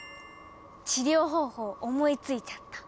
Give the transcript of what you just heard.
治療方法思いついちゃった。